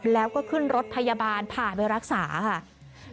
แล้วก็ขึ้นรถพยาบาลผ่าไปรักษาค่ะ